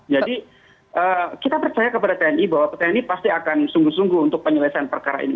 jadi kita percaya kepada tni bahwa tni pasti akan sungguh sungguh untuk penyelesaian perkara ini